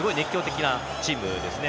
すごい熱狂的なチームですね。